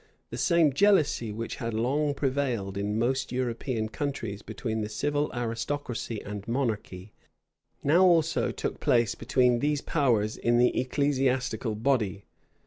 The same jealousy which had long prevailed in most European countries, between the civil aristocracy and monarchy, now also took place between these powers in the ecclesiastical body.